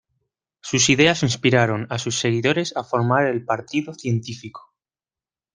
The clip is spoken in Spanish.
Sus ideas inspiraron a sus seguidores a formar el Partido Científico.